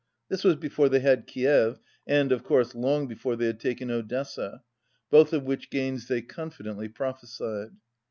(This was before they had Kiev and, of course, long before they had taken Odessa, both of which gains they confidently prophesied.)